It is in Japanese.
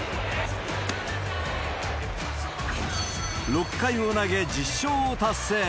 ６回を投げ、１０勝を達成。